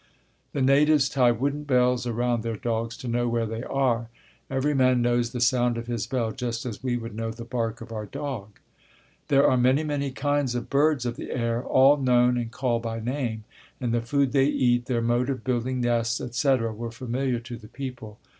The natives tie wooden bells around their dogs to know where they are. Every man knows the sound of his bell just as we would know the bark of our dog. There are many, many kinds of birds of the air, all known and called by name, and the food they eat, their mode of building nests, etc., were familiar to the people.